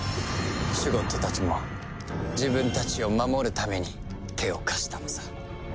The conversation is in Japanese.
シュゴッドたちも自分たちを守るために手を貸したのさ。